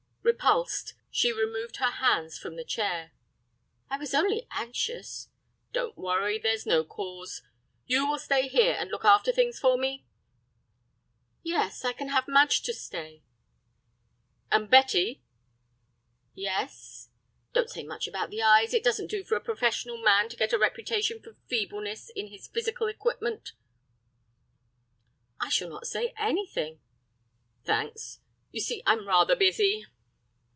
Repulsed, she removed her hands from the chair. "I was only anxious—" "Don't worry; there's no cause. You will stay here and look after things for me?" "Yes. I can have Madge to stay." "And, Betty—" "Yes." "Don't say much about the eyes. It doesn't do for a professional man to get a reputation for feebleness in his physical equipment." "I shall not say anything." "Thanks. You see, I'm rather busy."